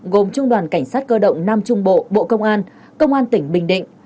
gồm trung đoàn cảnh sát cơ động nam trung bộ bộ công an công an tỉnh bình định